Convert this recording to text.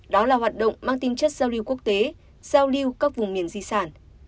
đó là hoạt động mang tinh chất giao lưu quốc tế giao lưu các vùng miền di sản